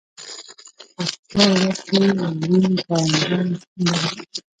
پکتیکا ولایت کې واورین پړانګان شتون لري.